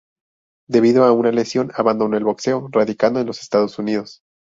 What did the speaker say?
Debido a una lesión abandonó el boxeo, radicando en los Estados Unidos.